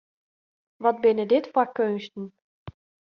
Wat binne dit foar keunsten!